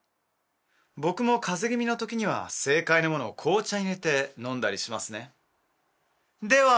僕も風邪気味のときには正解のものを紅茶に入れて飲んだりしますねでは